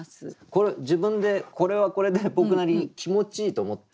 これ自分でこれはこれで僕なりに気持ちいいと思ってたんですよ。